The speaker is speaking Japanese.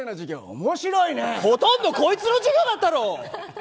ほとんどこいつの授業だったろ。